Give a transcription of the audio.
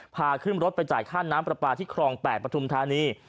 พาขึ้นรถไปจ่ายค่าน้ำปลาปลาที่ครอง๘ปฐุมธานี